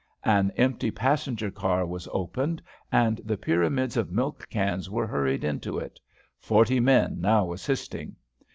An empty passenger car was opened and the pyramids of milk cans were hurried into it, forty men now assisting.